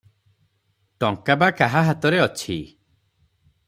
ଟଙ୍କା ବା କାହା ହାତରେ ଅଛି ।